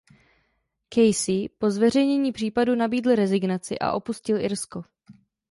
Casey po zveřejnění případu nabídl rezignaci a opustil Irsko.